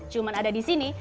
cuma ada di sini